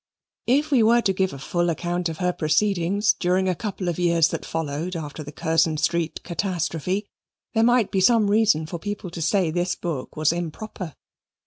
If we were to give a full account of her proceedings during a couple of years that followed after the Curzon Street catastrophe, there might be some reason for people to say this book was improper.